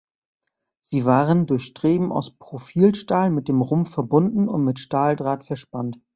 Sie waren durch Streben aus Profilstahl mit dem Rumpf verbunden und mit Stahldraht verspannt.